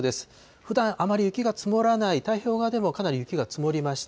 ふだんあまり雪が積もらない太平洋側でもかなり雪が積もりました。